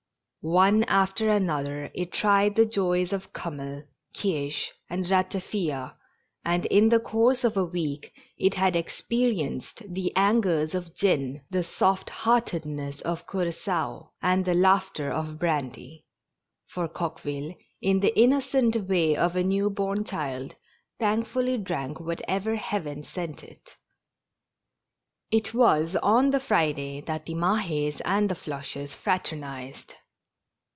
One after another it tried the joys of kummel, kirseh and ratafia, and in the course of a week it had experienced the angers of gin, the soft hearted ness of cura9oa and the laughter of brandy ; for Coqueville, in the innocent way of a new born child, thankfully drank whatever heaven sent it. It was on the Friday that the Mahes and the Floches fraternized.